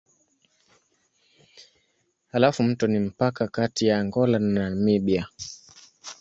Halafu mto ni mpaka kati ya Angola na Namibia.